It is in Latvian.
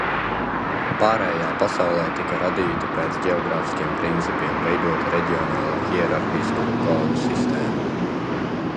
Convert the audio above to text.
Pārējā pasaulē tika radīta pēc ģeogrāfiskiem principiem veidota reģionālu hierarhisku kodu sistēma.